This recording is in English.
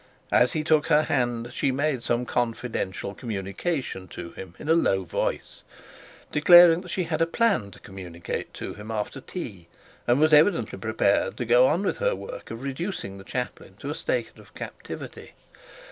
As he took her hand, she made some confidential communication to him in a low voice, declaring that she had a plan to communicate to him after tea, and was evidently prepared to go on with her work of reducing the chaplain to a state of captivity.